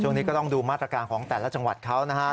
ช่วงนี้ก็ต้องดูมาตรการของแต่ละจังหวัดเขานะฮะ